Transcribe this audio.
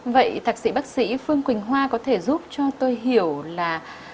vậy thạc sĩ bác sĩ phương quỳnh hoa có thể giúp cho tôi hiểu là